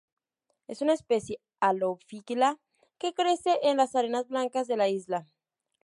Es una especie halófila que crece en las arenas blancas de la isla.